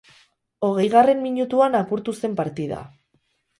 Hogeigarren minutuan apurtu zen partida.